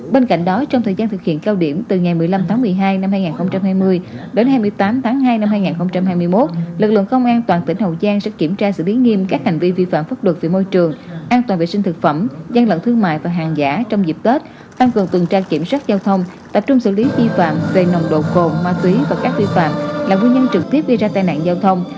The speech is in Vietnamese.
bên cạnh đó trong thời gian thực hiện cao điểm từ ngày một mươi năm tháng một mươi hai năm hai nghìn hai mươi đến hai mươi tám tháng hai năm hai nghìn hai mươi một lực lượng không an toàn tỉnh hậu giang sẽ kiểm tra sự biến nghiêm các hành vi vi phạm pháp luật về môi trường an toàn vệ sinh thực phẩm gian lận thương mại và hàng giả trong dịp tết tăng cường tường trang kiểm soát giao thông tập trung xử lý vi phạm về nồng độ khổ ma túy và các vi phạm là nguyên nhân trực tiếp gây ra tai nạn giao thông